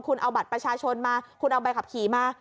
คุณเอาบัตรประชาชนมาคุณเอาใบขับขี่มา